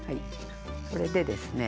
それでですね